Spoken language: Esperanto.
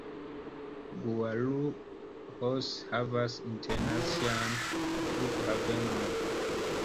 Guarulhos havas internacian flughavenon.